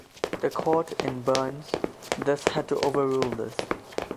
The Court in "Burns" thus had to overrule this.